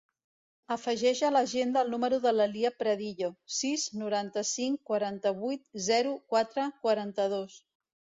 Afegeix a l'agenda el número de la Lya Pradillo: sis, noranta-cinc, quaranta-vuit, zero, quatre, quaranta-dos.